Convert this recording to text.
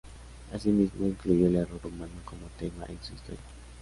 Asimismo incluyó el error humano como tema en su historia.